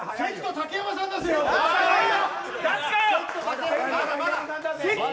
竹山さん出せよ。